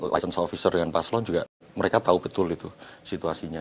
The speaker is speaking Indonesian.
licent officer dengan paslon juga mereka tahu betul itu situasinya